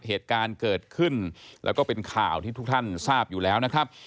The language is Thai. เหตุการณ์เกิดขึ้นแล้วก็เป็นข่าวที่ทุกท่านทราบอยู่แล้วนะครับ